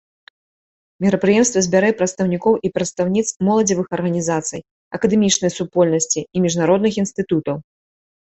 Мерапрыемства збярэ прадстаўнікоў і прадстаўніц моладзевых арганізацый, акадэмічнай супольнасці і міжнародных інстытутаў.